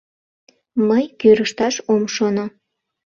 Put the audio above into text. Мый кӱрышташ ом шоно.